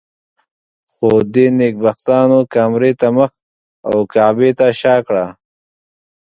خو دې نېکبختانو کامرې ته مخ او کعبې ته شا کړه.